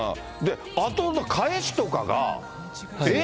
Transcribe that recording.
あとの返しとかが、ええ？